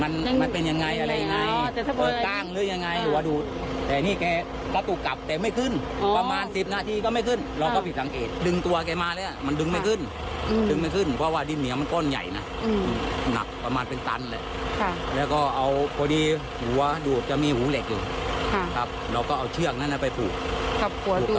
อันนั้นไปผูกกับหูเหล็กครับ